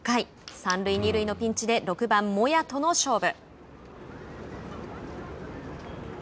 三塁二塁のピンチで６番モヤとの勝負。